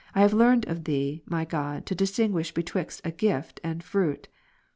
have learned of Thee, my God, to distinguish betwixt a gift, and fruit.